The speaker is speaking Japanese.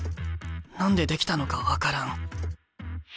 何でできたのか分からん。